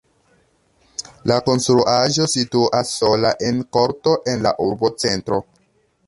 La konstruaĵo situas sola en korto en la urbocentro.